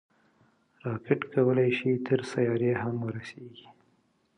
راکټ کولی شي سیارې هم ورسیږي